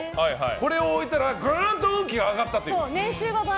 これを置いたらグーンと運気が上がって。